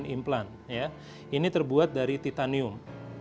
ini terbuat dari titanium